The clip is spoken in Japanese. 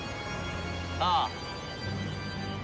ああ。